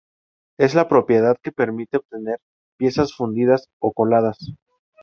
Es la propiedad que permite obtener piezas fundidas o coladas.